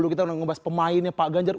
kita udah ngebahas pemainnya pak ganjar